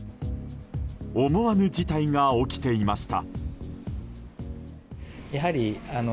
思わぬ事態が起きていました。